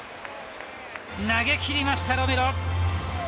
投げきりましたロメロ。